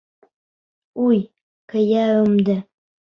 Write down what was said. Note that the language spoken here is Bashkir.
Уй, кейәүемде!